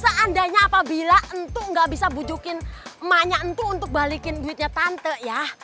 seandainya apabila entuk gak bisa bujukin emangnya entuk untuk balikin duitnya tante ya